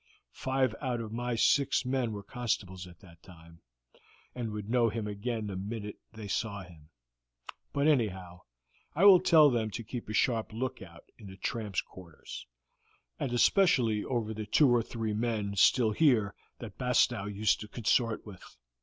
Five out of my six men were constables at that time, and would know him again the minute they saw him; but anyhow, I will tell them to keep a sharp lookout in the tramps' quarters, and especially over the two or three men still here that Bastow used to consort with.